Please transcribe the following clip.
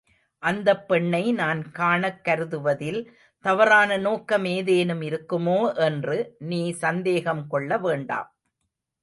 அந்தப் பெண்ணை நான் காணக் கருதுவதில் தவறான நோக்கம் ஏதேனும் இருக்குமோ என்று நீ சந்தேகம் கொள்ள வேண்டாம்.